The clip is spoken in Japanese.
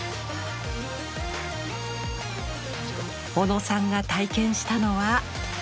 小野さんが体験したのは。